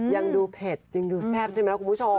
ยังดูเผ็ดยังดูแซ่บใช่ไหมคุณผู้ชม